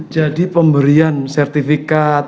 jadi pemberian sertifikat